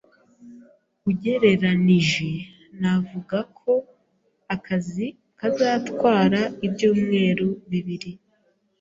Ugereranije, navuga ko akazi kazatwara ibyumweru bibiri.